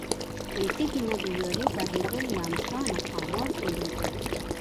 له تیږې نه د ویالې بهیدل، له امسا نه ښامار جوړېدل.